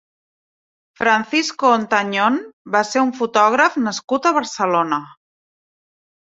Francisco Ontañón va ser un fotògraf nascut a Barcelona.